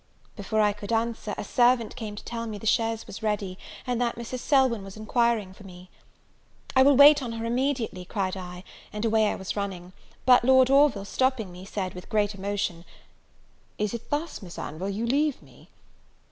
Before I could answer, a servant came to tell me the chaise was ready, and that Mrs. Selwyn was enquiring for me. "I will wait on her immediately," cried I, and away I was running; but Lord Orville, stopping me, said, with great emotion, "Is it thus, Miss Anville, you leave me?"